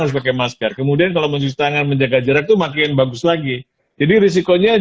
harus pakai masker kemudian kalau mencuci tangan menjaga jarak tuh makin bagus lagi jadi risikonya